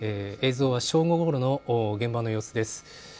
映像は正午ごろの現場の様子です。